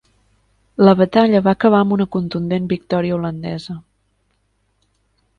La batalla va acabar amb una contundent victòria holandesa.